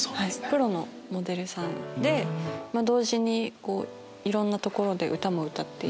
プロのモデルさんで同時にいろんな所で歌も歌っていて。